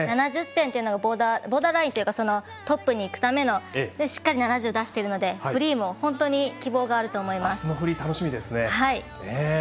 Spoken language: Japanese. ７０点というのがボーダーラインでトップにいくためのしっかり７０出しているのでフリーも希望があると思います。